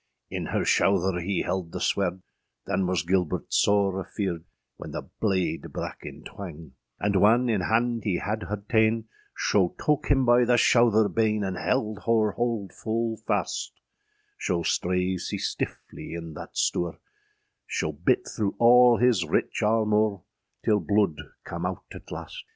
In her shouther hee held the swerde; Than was Gilbert sore afearde, When the blade brak in twang. And whan in hande hee had her taâen, Scho toke hym by the shouther bane, And held her hold ful faste; Scho strave sea stifflie in thatte stoure, Scho byt throâ ale hys rich armoure, Till bloud cam owt at laste.